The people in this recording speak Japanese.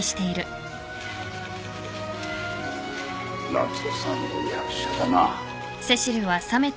夏雄さんも役者だな。